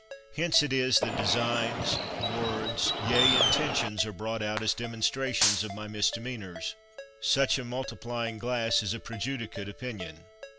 Hence it is that designs, words, yea, intentions, are brought out as dem onstrations of my misdemeanors. Such a multi plying glass is a prejudicate opinion